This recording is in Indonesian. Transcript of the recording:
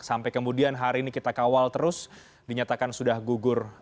sampai kemudian hari ini kita kawal terus dinyatakan sudah gugur